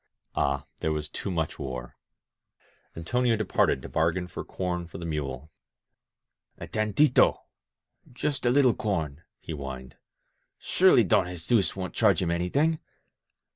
Ah, there was too much war ! Antonio departed to bargain for com for the mule. A tanita— just a little corn," he whined. "Surely Don Jesus wouldn't charge him anything.